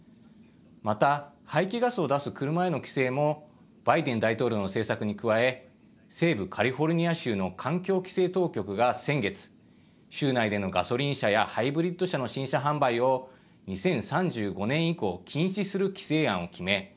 また排気ガスを出す車への規制もバイデン大統領の政策に加え西部カリフォルニア州の環境規制当局が先月州内でのガソリン車やハイブリッド車の新車販売を２０３５年以降禁止する規制案を決め